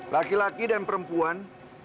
laki laki dan perempuan